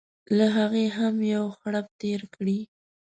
له هغې هم یو خرپ تېر کړي.